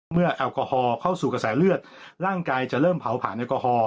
แอลกอฮอลเข้าสู่กระแสเลือดร่างกายจะเริ่มเผาผ่านแอลกอฮอล